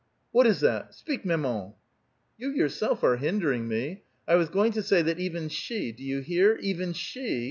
what is that? Speak, mama7i/" " You yourself are hindering me. 1 was going to say that even she — do you hear? — even she!